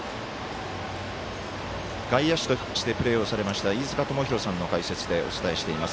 外野手としてプレーをされました飯塚智広さんの解説でお伝えしています。